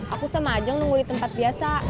aku sama aja nunggu di tempat biasa